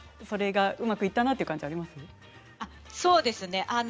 それがうまくいったなという感じはあります？